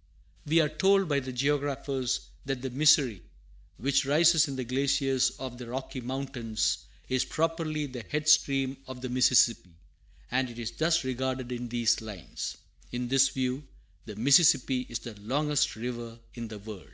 [Footnote A: We are told by the Geographers that the Missouri, which rises in the glaciers of the Rocky Mountains, is properly the head stream of the Mississippi, and it is thus regarded in these lines. In this view, the Mississippi is the longest river in the world.